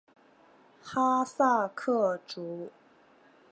哈萨克族。